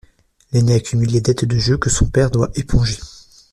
L'aînée accumule les dettes de jeu que son père doit éponger.